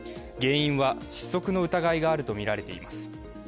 原因は窒息の疑いがあるとみられています。